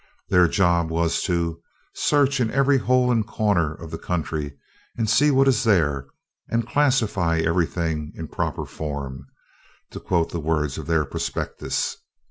Their job was "to search in every hole and corner of the country and see what is there, and classify everything in proper form" to quote the words of their prospectus.